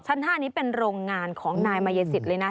๕นี้เป็นโรงงานของนายมายสิทธิเลยนะ